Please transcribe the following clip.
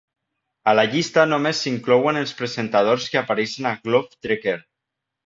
A la llista només s'inclouen els presentadors que apareixen a Globe Trekker.